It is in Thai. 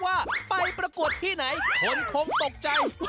ว่าไปประกวดที่ไหนคนคงตกใจ